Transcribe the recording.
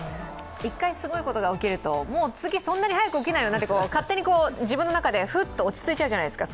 一回すごいことが起きるともう次、そんなに起きないよなと勝手に自分の中でふっと落ち着いちゃうじゃないですか。